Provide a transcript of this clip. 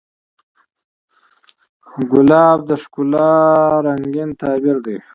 ګلاب د ښکلا رنګین تعبیر دی.